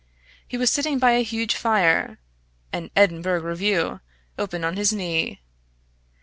He was sitting by a huge fire, an "Edinburgh Review" open on his knee.